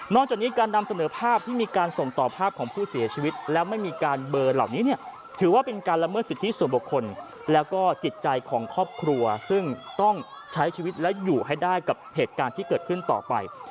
จากนี้การนำเสนอภาพที่มีการส่งต่อภาพของผู้เสียชีวิตแล้วไม่มีการเบอร์เหล่านี้เนี่ยถือว่าเป็นการละเมิดสิทธิส่วนบุคคลแล้วก็จิตใจของครอบครัวซึ่งต้องใช้ชีวิตและอยู่ให้ได้กับเหตุการณ์ที่เกิดขึ้นต่อไป